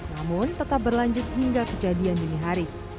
namun tetap berlanjut hingga kejadian dini hari